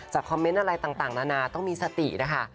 คอมเมนต์อะไรต่างนานาต้องมีสตินะคะ